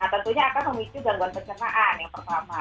tentunya akan memicu gangguan pencernaan yang pertama